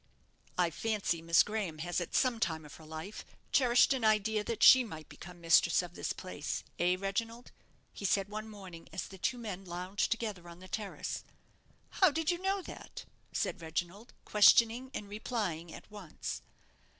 "I fancy Miss Graham has at some time of her life cherished an idea that she might become mistress of this place, eh, Reginald?" he said one morning, as the two men lounged together on the terrace. "How did you know that?" said Reginald, questioning and replying at once.